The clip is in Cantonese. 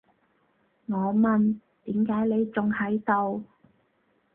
我問，點解你仲喺度？